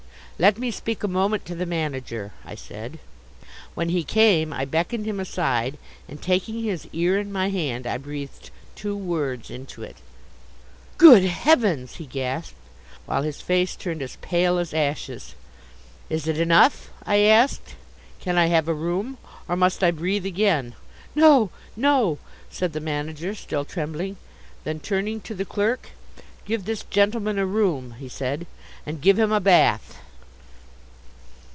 "Let me speak a moment to the manager," I said. When he came I beckoned him aside and taking his ear in my hand I breathed two words into it. "Good heavens!" he gasped, while his face turned as pale as ashes. "Is it enough?" I asked. "Can I have a room, or must I breathe again?" "No, no," said the manager, still trembling. Then, turning to the clerk: "Give this gentleman a room," he said, "and give him a bath."